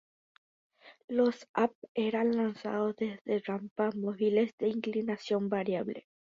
Los Asp eran lanzados desde rampas móviles de inclinación variable.